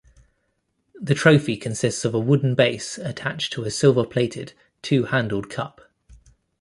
The trophy consists of a wooden base attached to a silver-plated, two-handled cup.